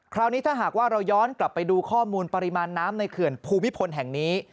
คราวนี้ถ้าหากว่าเราย้อนกลับไปดูข้อมูลปริมาณน้ำในเขื่อนภูมิพลแห่งนี้